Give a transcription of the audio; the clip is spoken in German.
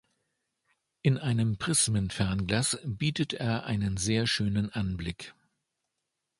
In einem Prismenfernglas bietet er einen sehr schönen Anblick.